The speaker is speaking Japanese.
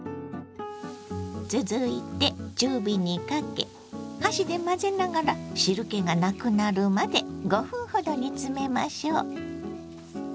続いて中火にかけ箸で混ぜながら汁けがなくなるまで５分ほど煮詰めましょう。